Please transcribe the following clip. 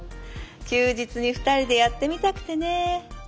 休日に２人でやってみたくてね。